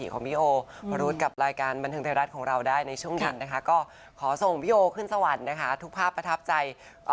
ขอส่งพี่โอขึ้นสวรรค์นะคะทุกภาพประทับใจ